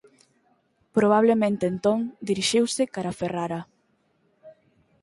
Probablemente entón dirixiuse cara Ferrara.